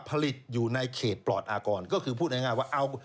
ผลิตอยู่ในเขตปลอดอากรก็คือพูดง่ายว่าเอา